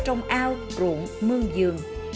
trong ao ruộng mương giường